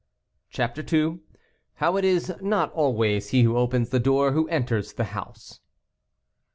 CHAPTER II. HOW IT IS NOT ALWAYS HE WHO OPENS THE DOOR, WHO ENTERS THE HOUSE.